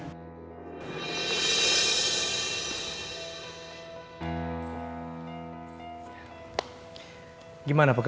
iya buki peny xp you suruh